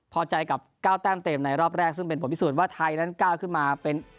พอใจกับ๙แต้มเต็มในรอบแรกซึ่งเป็นผลพิสูจน์ว่าไทยนั้นก้าวขึ้นมาเป็น